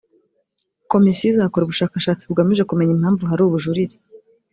komisiyo izakora ubushakashatsi bugamije kumenya impamvu hari ubujurire